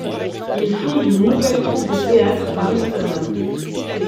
Il fonde une nouvelle troupe de théâtre à Amsterdam.